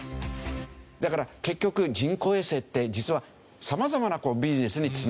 だから結局人工衛星って実はさまざまなビジネスにつながっていく。